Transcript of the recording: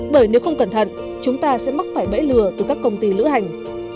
bởi nếu không cẩn thận chúng ta sẽ mắc phải bẫy lừa từ các công ty lữ hành